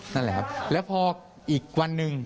นั่นแหละครับแล้วพออีกวันหนึ่ง